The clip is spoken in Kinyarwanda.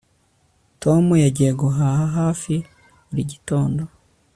Tom yagiye guhaha hafi buri gitondo